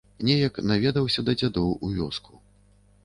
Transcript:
Неяк наведаўся да дзядоў у вёску.